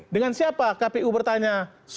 dengan siapa kpu bertanya